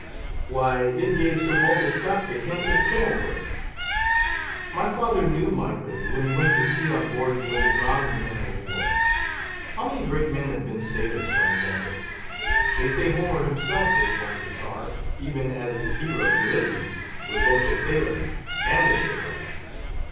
—Why, it gave Sir Walter Scott the hint of Kenilworth. My father knew Mickle when he went to sea on board the old Romney man of war. How many great men have been sailors, White Jacket! They say Homer himself was once a tar, even as his hero, Ulysses, was both a sailor and a shipwright.